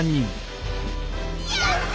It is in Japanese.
やった！